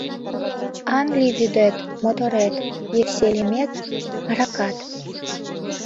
Англи вӱдет — моторет, Евсе лемет — аракат!